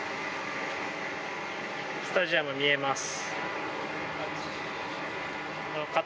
スタジアム見えます。